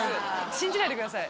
信じないでください